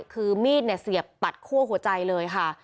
คือมีดเสียบปัดคั่วหัวใจเลยค่ะ